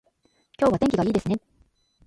今日は天気がいいですね